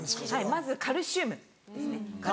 まずカルシウムですね